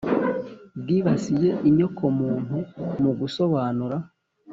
bwibasiye inyoko muntu mu gusobanura,